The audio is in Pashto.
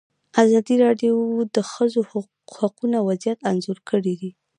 ازادي راډیو د د ښځو حقونه وضعیت انځور کړی.